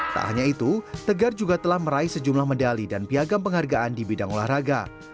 tak hanya itu tegar juga telah meraih sejumlah medali dan piagam penghargaan di bidang olahraga